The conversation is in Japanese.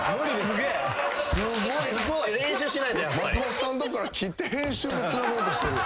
松本さんのとこから切って編集でつなごうとしてる。